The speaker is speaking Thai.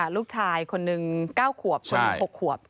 ลูกชายคนหนึ่ง๙ขวบคนหนึ่ง๖ขวบ